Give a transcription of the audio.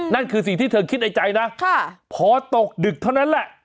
นั่นคือสิ่งที่เธอคิดในใจนะพอตกดึกเท่านั้นแหละ